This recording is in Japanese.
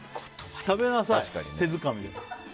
食べなさい、手づかみでも。